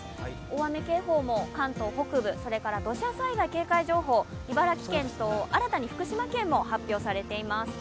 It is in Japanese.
大雨警報も関東北部土砂災害警戒情報は茨城県と、新たに福島県も発表されています。